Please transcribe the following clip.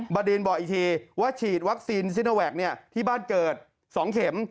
บดินบอกอีกทีว่าฉีดวัคซีนซิโนแวคที่บ้านเกิด๒เข็ม